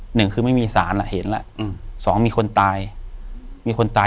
อยู่ที่แม่ศรีวิรัยิลครับ